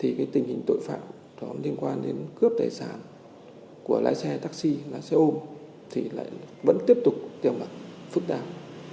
thì cái tình hình tội phạm liên quan đến cướp tài sản của lái xe taxi lái xe ôm thì lại vẫn tiếp tục tiềm ẩn phức tạp